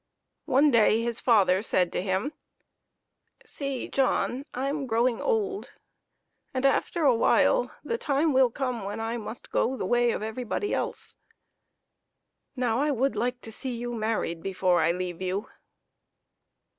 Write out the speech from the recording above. One day his father said to him, " See, John ; I am growing old, and after a while the time will come when I must go the way of everybody else. Now I would like to see you married before I leave you."